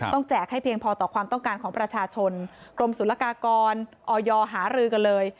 แจกให้เพียงพอต่อความต้องการของประชาชนกรมศุลกากรอออยหารือกันเลย